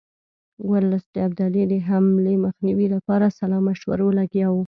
ورلسټ د ابدالي د حملې مخنیوي لپاره سلا مشورو لګیا وو.